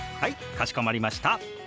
かしこまりました。